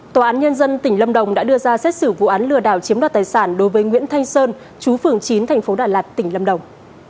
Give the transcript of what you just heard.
tòa án nhân dân tỉnh lâm đồng đã đưa ra xét xử vụ án lừa đảo chiếm đoạt tài sản đối với nguyễn thanh sơn chú phường chín thành phố đà lạt tỉnh lâm đồng